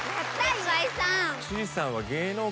岩井さん！